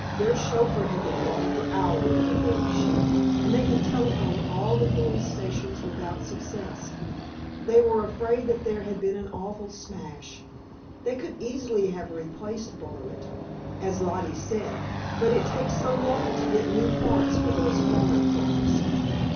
Their chauffeur had been gone for hours with their machine, and they had telephoned all the police stations without success. They were afraid that there had been an awful smash; they could easily have replaced Bartlett, as Lollie said, but it takes so long to get new parts for those foreign cars.